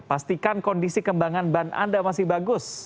pastikan kondisi kembangan ban anda masih bagus